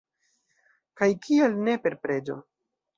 Kaj kial ne per preĝo?!